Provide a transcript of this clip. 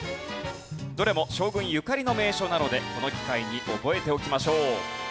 どれも将軍ゆかりの名所なのでこの機会に覚えておきましょう。